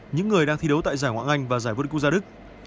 những người đang thi đấu tại giải ngoại ngành và giải vua quốc gia đức